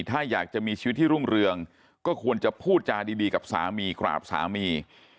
ถ้าอยากจะมีชีวิตที่รุ่งเรืองก็ควรจะพูดจาดีกับสามีกราบสามี